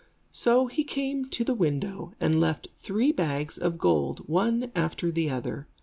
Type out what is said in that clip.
So he came to the window, and left three bags of gold, one after the other.